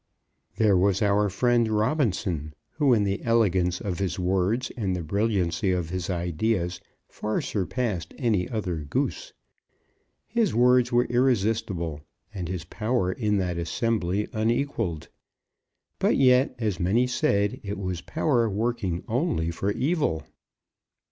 There was our friend Robinson, who in the elegance of his words, and the brilliancy of his ideas, far surpassed any other Goose. His words were irresistible, and his power in that assembly unequalled. But yet, as many said, it was power working only for evil.